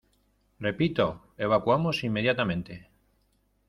¡ repito, evacuamos inmediatamente!